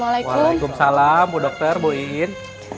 waalaikumsalam bu dokter bu in